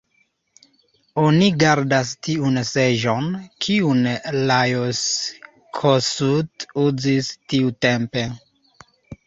Oni gardas tiun seĝon, kiun Lajos Kossuth uzis tiutempe.